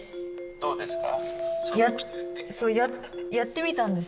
どうですか？